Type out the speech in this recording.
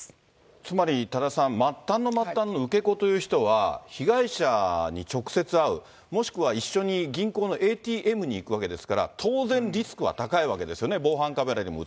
つまり、多田さん、末端の末端の受け子という人は、被害者に直接会う、もしくは一緒に銀行のＡＴＭに行くわけですから、当然リスクは高いわけですよね、